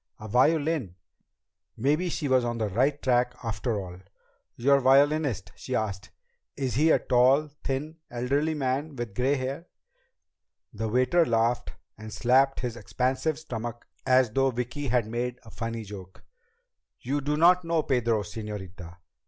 A violin! Maybe she was on the right track after all! "Your violinist?" she asked. "Is he a tall, thin, elderly man with gray hair?" The waiter laughed and slapped his expansive stomach as though Vicki had made a funny joke. "You do not know Pedro, señorita.